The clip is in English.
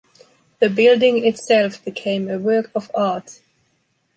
The building itself became a work of art.